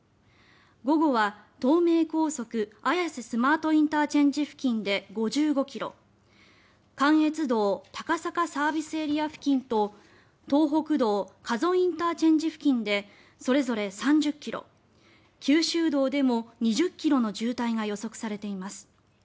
午後は東名高速綾瀬スマートＩＣ付近で５５ｋｍ関越道高坂ＳＡ付近と東北道加須ＩＣ付近でそれぞれ３０ｋｍ九州道でも２０ｋｍの渋滞が予測されています。